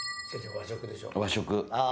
和食。